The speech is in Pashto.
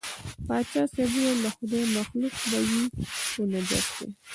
پاچا صاحب وویل د خدای مخلوق به وي خو نجس دی.